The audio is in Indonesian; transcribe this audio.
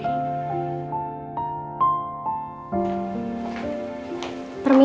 agar jangan ada yang tersakiti